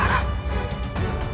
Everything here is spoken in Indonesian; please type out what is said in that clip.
kau lebih memilih mati